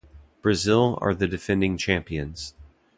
Brazil are the defending champions.